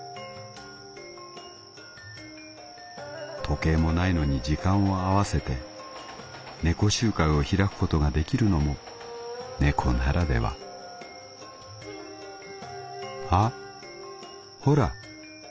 「時計もないのに時間を合わせて猫集会を開くことができるのも猫ならではあっほら。